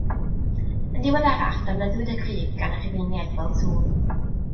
Yn ddiweddarach, defnyddiwyd y crug gan y Rhufeiniaid, fel tŵr.